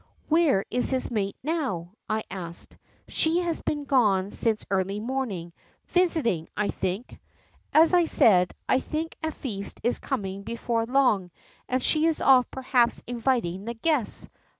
^ Where is his mate now ?' I asked. ^ She has been gone since early morning, visit ing, 1 think. As I said, I think a feast is coming before long, and she is off perhaps inviting the guests.